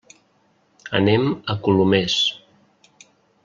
Anem a Colomers.